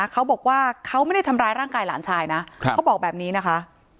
เขาบอกว่าเขาไม่ได้ทำร้ายร่างกายหลานชายนะเขาบอกแบบนี้นะคะ